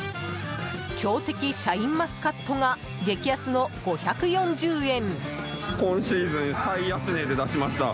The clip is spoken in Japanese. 強敵シャインマスカットが激安の５４０円。